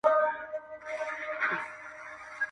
تر لحده به دي ستړی زکندن وي!.